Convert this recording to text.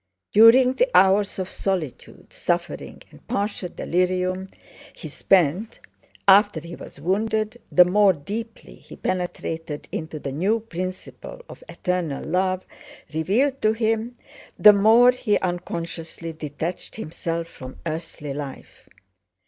During the hours of solitude, suffering, and partial delirium he spent after he was wounded, the more deeply he penetrated into the new principle of eternal love revealed to him, the more he unconsciously detached himself from earthly life.